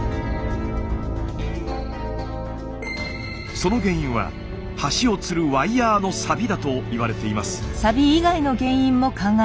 その原因は橋をつるワイヤーのサビだと言われています。